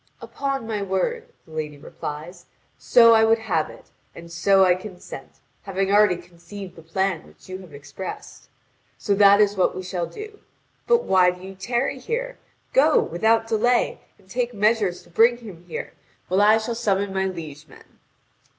"Upon my word," the lady replies, "so I would have it, and so I consent, having already conceived the plan which you have expressed; so that is what we shall do. But why do you tarry here? Go, without delay, and take measures to bring him here, while I shall summon my liege men."